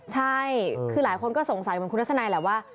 ใช่คือหลายคนก็สงสัยเหมือนคุณทัศนัยแหละว่า